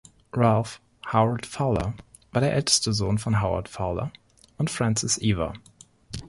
Ralph Howard Fowler war der älteste Sohn von Howard Fowler und Frances Eva.